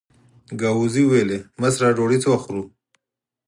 ګاووزي وویل: مشره ډوډۍ څه وخت خورو؟